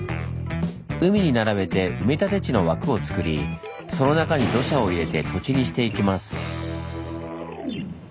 海に並べて埋め立て地の枠をつくりその中に土砂を入れて土地にしていきます。